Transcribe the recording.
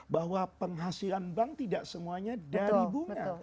bahwa penghasilan bank tidak semuanya dari bunga